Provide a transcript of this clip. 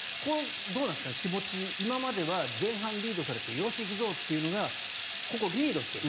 どうなんですかね、気持ち今までは前半リードされてよし行くぞというのがここリードしてる。